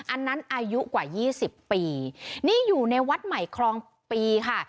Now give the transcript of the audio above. อันนั้นอายุกว่ายี่สิบปีนี่อยู่ในวัดใหม่คลองปีค่ะ